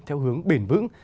theo hướng bền vững